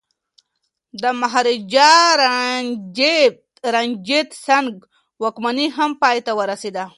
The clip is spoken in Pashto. د مهاراجا رنجیت سنګ واکمني هم پای ته ورسیده.